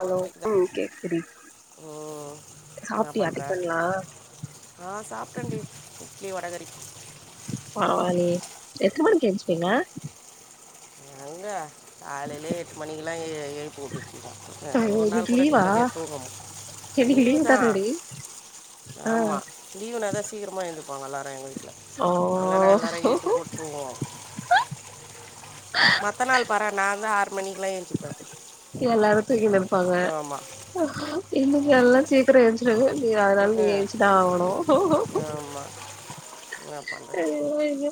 hello ஓகேங்க ம் கேக்குது ஓ என்ன சாப்ட்டியா பண்ற டிஃபன்லா ஆ சாப்டேன்டி இட்லி வடகறி பரவால்லயே எத்தன மணி எங்க காலேயே எட்டு மணிக்லா எ எழுப்பி உட்ருச்சுங்க ஆ ஒரு நாள் கூட நிம்மதியா தூங்க மு இன்னிக்கி லீவு தானடி ஆ லீவுனாதா சீக்கிரமா எழுந்திருப்பாங்க எல்லாரு எங்க வீட்ல ஓ இல்லனா எல்லாரு இழுத்து போட்டு தூங்குவோ மத்த நாள் பாறே நா தா ஆறு மணிக்லா ஏஞ்சுப்பே எல்லாரு தூங்கிட்னு இருப்பாங்க ஆமாம் இன்னைக்கி எல்லா ச்சி சீக்ரோ எஞ்சிருவாங்க நீ அதனால நீங்க எஞ்சுதா ஆவணு என்னப் அய்யோ அய்யோ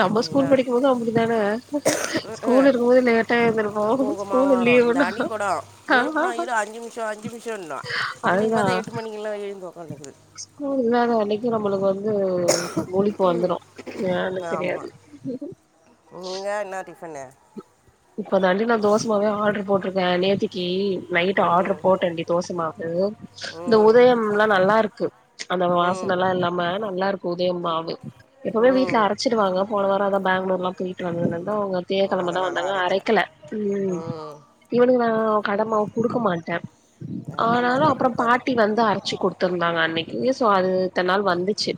நம்ம ஸ்கூல் படிக்குபோது அப்டித்தான என்ன ஸ்கூல் இருக்குபோது லேட்டா எந்துருப்போ ஸ்கூலு லீவுனா கோடோ எழுப்புனா இரு அஞ்சுமிஷோ அஞ்சுமிஷோ ன்னா இன்னைக்கி அதுதா பாத்தா எட்டு மணிக்லா எழுந்து ஒக்காந்துக்குது ஸ்கூல் இல்லாத அன்னைக்கி நம்ளுக்கு வந்து முழிப்பு வந்ரு ஏனு தெரியாது நீங்க என்ன டிஃப்பன்னு இப்ப தான்டி நா தோசமாவே ஆர்ட்ரு போட்ருக்கே நேத்திக்கி நைட்டு ஆர்டரு ம் போட்டேண்டி தோச மாவு இந்த ம் உதயம்ல்லா நல்லா இருக்கு அந்த ம் வாசனல்லா இல்லாம நல்லா இருக்கு உதயம் மாவு எப்பமே வீட்ல ம் அர ச்சுருவாங்க போன வாரோ அதா பேங்ளூர்லா போயிட்டு வந்ததுலருந்து அவுங்க ஓ, தியேகெழம தா வந் அதனால தாங்க அரைக்கல ம் இவனுக்கு நா கட மாவ் குடுக்க மாட்டே ஆமாம்மா ஆனாலு எல்லாம் அப்றோ கொடுக்காது பாட்டி வந்து அரச்சு குடுத் திருந்தாங்க அன்னைக்கி சோ அது இத்ன நாள் வந்துச்சு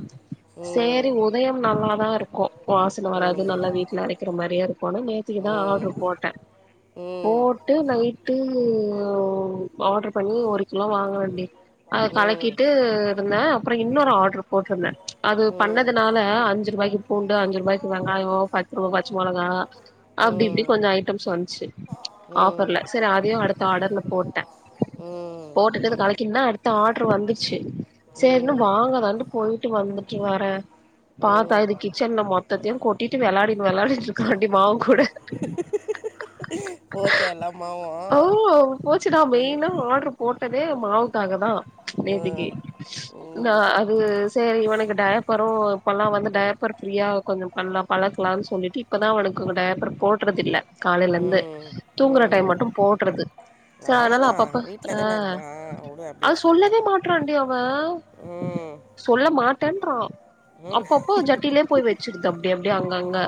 சேரி ம் உதயம் நல்லாதா இருக்கு வாசன வராது ம் நல்லா வீட்ல அரைக் கிற மாரியா இருக்குணு நேத்திக்குதா ம் ஆர்டரு ம் போட்டே ம் போட்டு நைட்டு ஆர்டரு பண்ணி ஒரு கிலோ வாங் ஆ டி அத ம் கலக்கிட்டு இருந்தே அப்றோ இன்னொரு ஆர்டர் போட்ருந்தே அது ம் பண்ணதுனால அஞ்சு ரூபாய்க்கு பூண்டு அஞ்சு ரூபாய்க்கு வெங்காயோ பத்து ரூபா பச்ச மொளகா அப்டி இப்டி ம் கொஞ்சோ ஐட்டம்ஸ் வந்துச்சு ம் ஆஃபர்ல சரி அதையு அடுத்த ஆர்டர்ல போட்டே ம் போட்டுட்டு அத கலக்கின்னா அடுத்த ஆர்டரு வந்துச்சு சேரினு வாங்கலான்ட்டு போயிட்டு வந்துட்டு வரே பாத்தா இது ம் கிச்சன்ல மொத்தத்யு கொட்டிட்டு வெளாடின் வெளாடிட்டு இருக்கான்டி மாவு கூட ஓச்சா ஓ எல்லாமாவும் போச்சுடா மெயினா ஆர்ட்ரு போட்டதே மாவுக்காக தா நேத்திக்கு ம் நா ம் து சேரி இவனுக்கு டயப்பரு இப்பல்லா வந்து டயப்பர் ஃப்ரீயா கொஞ்சோ பண்லா பழக்கலானு சொல்லிட்டு இப்பதா அவனுக்கு டயப்பர் போடுறது இல்ல காலைல இருந்து ம் தூங்குற டைம் ம் மட்டும் போடுறது ச அதனால அவ்வளோதான் பாப்ப வீட்டில் ஆ தானே இருக்கிறான் விடு அப்படியே அது ஃப்ரீயா சொல்லவே மாட்றான்டி அவ ம் சொல்ல மாட்டேன்றா ம் அப்பப்போ ஜட்டிலயே போய் வ ச்சுருது அப்டி அப்டியே அங்கங்க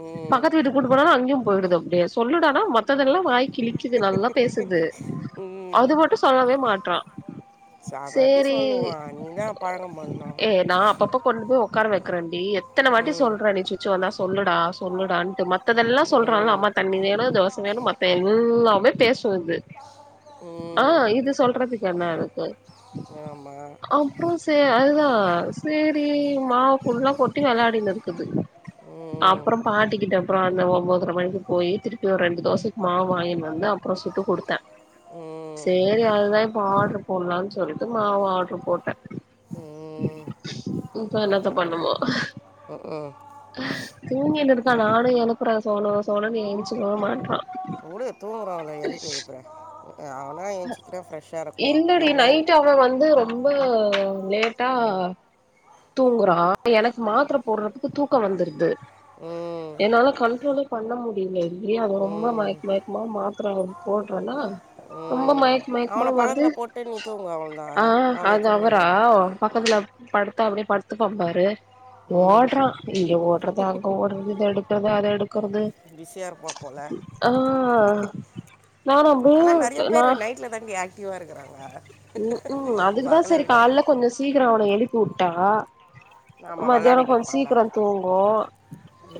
ம் பக்கத்து வீட் கூட்டு போனாலு அங்கயு போயிடுது அப்டியே சொல்லுடானா மத்ததெல்லா வாய் கி கிழிக்குது நல்லா பேசுது ம் அது மட்டு சொல்லவே மாட்றா ச- அவன் எப்படி சேரி சொல்லுவான் நீ தான் பழக்கம் பண்ணோம் ஏ நா அப்பப்ப கொண் போய் ஒக்கார வக்கறேன்டி எத்தன வாட்டி ம் சொல்றே நீ சுச்சு வந்தா சொல்லுடா சொல்லுடான்ட்டு மத் மத்ததெல்லா சொல்றால ம் அம்மா தண்ணி வேணு தோச வேணு மத்த எல்லாமே பேசு இது ஆ ம் இது சொல்றதுக்கு என்ன அதுக்கு ஆமாம் அப்றோ சே அதுதா சேரி மாவு ஃபுல்லா கொட்டி வெளாடினு இருக்குது ம் அப்றோ பாட்டிக்கிட்ட அப்றோ அந்த ஒம்போதர மணிக்கு போய் திருப்பி ஒரு இரண்டு தோசைக்கு மாவு வாங்கினு வந்து அப்றோ சுட்டு குடுத்தே ம் சேரி அதுதா இப்ப ஆர்ட்ரு போலான்னு சொல்லிட்டு மாவு அர்ட்ரு போட்டே ம் இப்ப என்னத்த பண்ணுமோ அவ்வளோதான் ம் தூங்கினு இருக்கா நானு எழப்புறே சோனு சோனுன்னு எஞ்சிக்கவே மாட்றா வுடு தூங்குறவன எதுக்கு எழுப்புற அவனா என் சிக்கனா ஃப்ரெஷ்ஷாக இருக்கும் இல்லடி நம்மளாம் நைட்டு எழுப்பு அவன் வந்து ரொம்ப லேட்டா தூங்குறா எனக்கு மாத்தர போடுறதுக்கு தூக்கம் வந்துருது ம் என்னல கண்ட்ரோலே பண்ண முடியல டி அது ரொம்ப ம் ம் மயக்க மயக்கமா மாத்தர போடுறேனா ரொம்ப ம் மயக்க மயக்கமா அவனை வருது பக்கத்தில் போட்டு நீ தூங்கு அவன்தான் அ அவனே அது அவரா தூங்கிக்குவான் பக்கத்துல படுத்தா அப்டியே படுத்து பா பாரு ம் ஒட்றா இங்க ஒட்றது அங்க ஒட்றது இத எடு க்குறது அத எடுக்குறது பிஸியாக இருப்பா போல் ஆ நானு அப்டியே நா ட்லதான்டி ஆக்டிவா இருக்குறாங்க பகல விட கொஞ்ச சீக்கர அவன எழுப்பி உட்டா நாம் மதியானோ விளாடின்னு கொஞ்சே இருப்பான்ல சீக்கரோ தூங்கு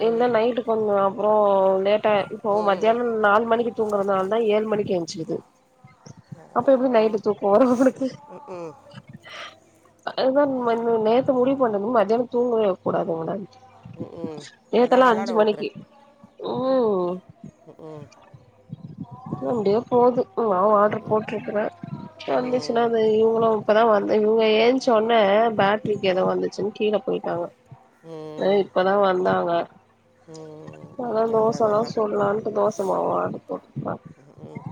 இல்ல ம் நைட்டு பண்ணு அப்பறோ லேட்டாயிர் இப்போ ம் மத்தியானோ நாலு மணிக்கு தூங்குறதா இருந்தா ஏழு மணிக்கு எஞ்சிக்குது அப்ப எப்டி நைட் அப்புறம் டி தூக்கோ வரு அவனுக்கு ம் ம் அதுதா மன் நேத்து முடிவு பண்ணது மதியானோ தூங்க வக்க கூடாது இவன ம் ம் எதா நேத்தெல்லா விளாட அஞ்சு விட்ரு மணிக்கி ம் ம் ம் அப்டியே போது மாவ் ஆட்ரு ம் போட்ருக்கறே வந்துச்சுனா ம் அது இவுங்களும் இப்பதா வந்து இவுங்க ஏன்ச்ச ஒன்னே பேட்ரிக்கு எதோ வந்துச்சுன் கீழப் போயிட்டாங்கா அ ம் இப்பதா வந்தாங்க அதா ம் தோசதா அதெல்லாம் சுல்லான்ட்டு தோச மாவு ஆட்ரு போட்ருக்கே ம்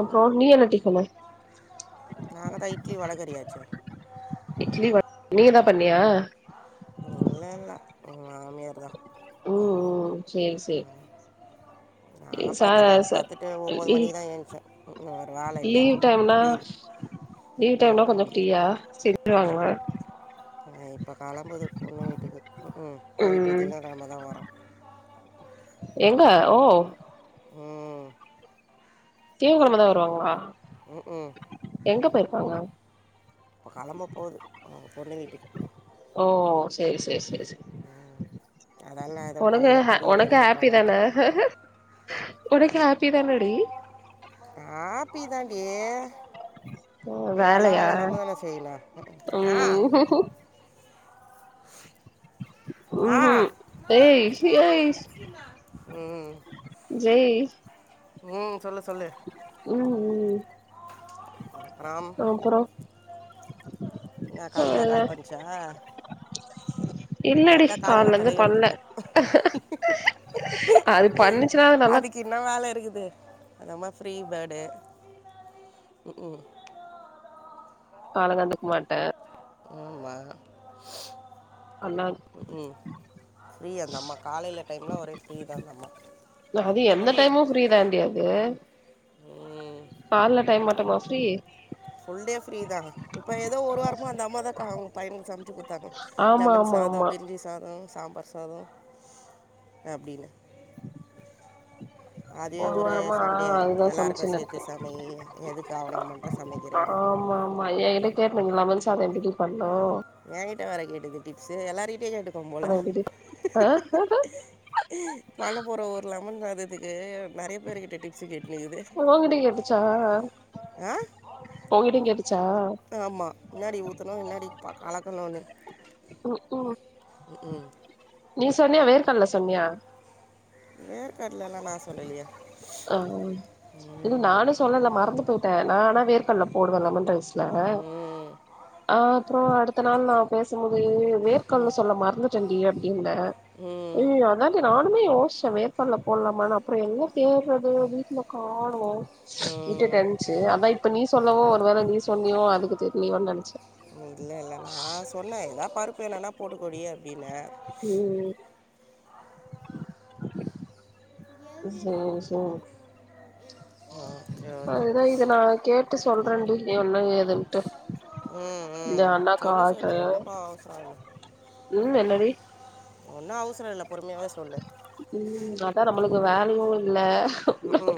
அப்றோ நீ என்ன [unintelligible] நாங்காதா இட்லி வடகறியாச்சே இட்லி வட் நீங்கதாப் பண்ணியா இல்லை இல்லை மாமியார் தான் ம் ம் சேரி சே நான் ச பார்த்துட்டேன் ச பார்த்துட்டு ஒம்பது லீ மணிக்கு தான் ஏந்துச்சேன் வேறு வேலை இல்லை லீவ் டைம்னா டீல் லீவ் டைம்னா ம் கொஞ்சோ ம் டி ஃப்ரீயா செஞ்சிருவாங்லா அ இப்போ கெளம்புது பொண்ணு வீட்டுக்கு ம் போயிட்டு ம் திங்ககெழமதா வறோ எங்க ஓ ம் திங்ககெழமதா வருவாங்ளா ம் ம் எங்க போயிர்க்காங்க இப்ப கெளம்ப போது அவுங்க பொண்ணு வீட்டுக்கு ஓ சேரி சேரி சே சே அதெல்லாம் எதுவும் ஒனக்கு பண்ணல ஹ இருக்கிற ஒனக்கு வரைக்கும் ஹப்பிதானே பண்ணாட்டோம் ஒனக்கு ஹப்பி தானடி ஆப்பி தாண்டி ஓ எல்லா வேலையா வேலையு நம்மதான செய்னு ஆ இக்குக்கு ஆ ம் ம் [unintelligible] ம் ஜெய் ம் சொல்லு சொல்லு ம் ம் ராம் அப்றோ நா கவிதா கால் பண்ச்சா இல்லடி கால்லந்து பண்ல இருக்கும் அதுப் பண்ணுச்சுனா அத நல்லாத் கின்னா வேல இருகுது அந்தம்மா ஃபிரீ பேடு காலங் எந்திரிக்மாட்ட இம்மா அல்லால் ம் ஃப்ரீ அந்த அம்மா காலைல டைம்ல ஒரே ஃப்ரீதா அந்தம்மா அது எந்த டைமு ஃப்ரீதான்டி அது ம் கால்ல டைம் மட்டுமா ஃப்ரீ ஃபுல்டே ஃப்ரீதா இப்ப எதோ ஒரு வாரமா அந்தம்மாதா கா அவுங்க பையனுகு சம் ச்சு குத்தாங்க ஆமா லெமன் ஆமா சாதோ ஆமா பிரிஞ்சி சாதோ சாம்பார் சாதோ அப்டினு அதே ஒரு ஒரே வாரமா சண்டையே அதுதா எல்லாருக்கு சமைச்சுன்னு சேத்து இருக்கு சமை எதுக்கு அவனுக்கு மட்டு சமைகிறேனு மா எ கிட்ட கேட்னுங் லெமன் சாதோ எப்டிடி பண்ணோ ஏங்கிட்ட வேற கேட்டுது டிப்ஸூ எல்லாருகிட்டியு கேட்டுக்கும்போல அத எப்டிடி ஆ பண்ண போற ஒரு லெமன்சாததுக்கு நெறைய பேருகிட்ட டிப் ப்ஸூ கேட்டுனுக்குது உங்கிட்ட கேட்டுச்சா உங்கிட்டயு கேட்டுச்சா ஆ ஆமா முன்னாடி ஊத்தணு முன்னாடி ப்பா கலக்கலுன்னு ம் ஹூம் ம் ஹூம் நீ சொன்னியா வேர்க்கல்ல சொன்னியா வேர்க்கட்லெல்லா நா சொல்லலயே ஆ இன்னு நானு சொல்லல மறந்து போய்ட்டே நா ஆனா வேர்கட்ல போடுவே லெமன் ரைஸ் அ ம் அப்றோ அடுத்த நாள் நா பேசும்போது வேர் கல்ல சொல்ல மறந்துட்டேன்டி அப்டீன்னே ம் அய்யய்யோ அதா ல நானுமே யோச்சே வேர்கல்ல போல்லாமானு அப்றோ எங்க தேட்றது வீட்ல காணோ ம் விட்டுடேன்ச்சு அதா இப்ப நீ சொல்லவு ஒரு வேள நீ சொன்னியோ அதுக்கு தெரியலயோனு நெனச்சே இல்ல இல்லநா சொன்னே எதா பருப்பு வேனுனா போட்டுக்கோடி அப்டினெ ம் செரி செரி ஓகே ஓகே அதுதா இத நா கே ட்டு சொல்றேன்டி என்ன ஏதுன்ட்டு ம் இந்த ம் அண்ணாக்கு சொல்லு சொல்லு ஆட்ரு ஒன்னுப்போ அவசரோ இல்ல ம் என்னடி ஒன்னு அவசரோ இல்ல பொறுமயாவே சொல்லு ம் அதா நம்மளுக்கு வேலயு இல்ல ம் ஹூ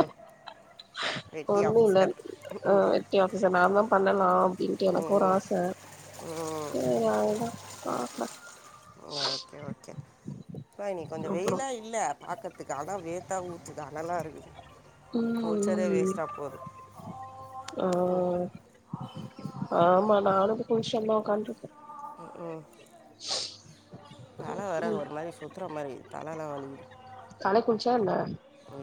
வெட்டி ஒண்ணு இல்ல ஆஃபிசர் ஆ வெட்டி ஆஃபீஸர் நான் தா பண்ணலா அப்டின்ட்டு எனக்கு ஒரு ம் ஆச ம் ம் சேரி அவ்ளதா பாக்லா ஓகே ஓகே அப்பா இன்னெக்கி கொஞ்சோ அப்புறோ வெயிலா இல்ல பாக்கறதுக்கு அதா வேர்த்தா ஊத்துது அனலா இருக்குது குள்ச்சதே ம் ம் வேஸ்டா போது ம் ஹூம் ஆ ஆமா நானு குள்ஷ்ட் வந்துதா உக்கான்ட்ருக்கே ம் ஹூம் தல வேற ம் ஒரு மாரி சுத்துற மாரி தலலா வலிக்குது தலைக் குளிச்சியா என்ன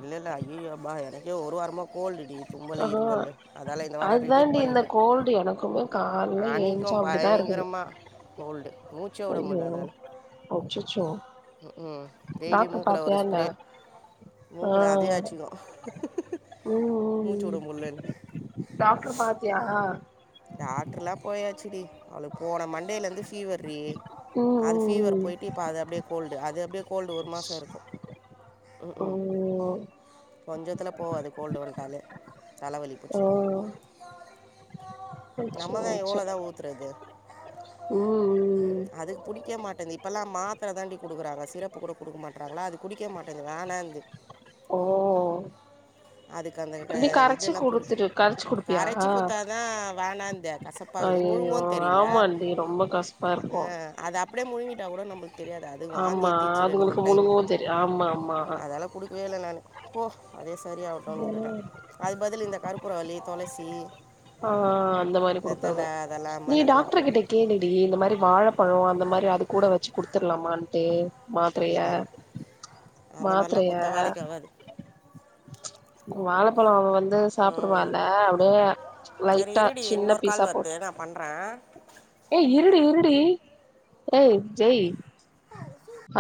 இல்லல்ல ஐய்யய்யோ அம்மா எனக்கே ஒரு வாரமா கோல்டுடி தும்மலு ஆஹா இருமலு அதால இந்த வாரோ ரிஜெக்ட் அதுதாண்டி இந்த பண்ணிட்டே கோல்டு எனக்குமே கால்ல அனி த்து ஏஞ்சா அப்டிதா இருக்குது பயங்கரமா கோல்டு மூச்சே உட ஐயோ முடில அதால அச்சச்சோ ம் ஹூம் டெய்லி டாக்டர் மூக்குல ஒரு பாத்தியா என்ன ஸ்ப்ரே ஆ மூக்கில் அதுவே ம் ஆச்சுக்கும் ம் மூச்சு ம் விட முடியலன்னு டாக்டர் பாத்தியா டாக்டரலா போயாச்சி டி அவுளுக்கு போன மண்டேல இருந்து ஃபீவர் ரி ம் அது ஃபீவர் ம் போயிட்டு இப்ப அது அப்டியே கோல்டு அது அப்டியே கோல்டு ஒரு மாசோ இருக்கும் ம் ஹூம் கொஞ்சத்துல போவாது கோல்டு வண்டாலே தல வலி ஓ புட்ச்சுது அச்சோ நம்மதா அச்சோ எவ்ளோதா ஊத்துறது ம் ம் அதுக்கு பிடிக்க மாட்டேது இப்பெல்லா மாத்தர தாண்டி குடுக்குறாங்க சிரப்புகூட குடுக்க மாட்றாங்களா அதுக்கு குடிக்க மாட்டேங்குது வேணாங்குது ஓ அதுக்கு அந்த நீ கரச்சு இதெல்லா புடிக் குடுத்துரு கரச்சு குடுப்பியா கரச்சி குத்தாதா வேணாந்து கசப்பாக்குது முழுங்கு ஐயையோ தெரில ஆமாண்டி ரொம்ப கசப்பா ஆ இருக்கு அத அப்டியே முழுங்கிட்டா கூட நம்ப்ளுக் தெரியாது அதுவும் வாந்தி ஆமா எத்திச்சு ரெண்டு மூணு அதுங்களுக்கு டைம்மு முழுங்கவு தெரி ஆமா ஆமா ஆ அதால குடுக்கவே இல்ல நா போ அதே சரியாவுட்டுன் உட்டுட்ட அதுக் பதிலு இந்த கருப்புறவல்லி தொளசி ஆ அந்த மாரி குடுக்குறது அதெல்லாம் நீ மிளகெல்லாம் டாக்ட்ரு கிட்ட போட்டு கேளுடி இந்த மாரி வாழப் பழம் அந்த மாரி அது கூட வச்சு குடுத்தர்லாம்மான்ட்டு மாத்ரயா இது அந்த மாதிரிலாம் மாத்ரயா கொடுத்தா வேலைக்கு ஆகாது வாழப்பழம் அவன் வந்து ம், சாப்பிடுவான்ல அப்டியே லைட்டா சின்ன பீஸா போட் பண்ற ஏய் இருடி இருடி ஏய் ஜெய்